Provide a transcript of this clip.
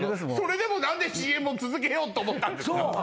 もうそれでもなんでＣＭを続けようと思ったんですか？